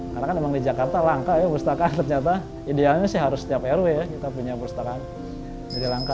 karena kan memang di jakarta langka ya pustakaan ternyata idealnya sih harus setiap rw ya kita punya pustakaan jadi langka